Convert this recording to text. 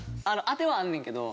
当てはあるねんけど。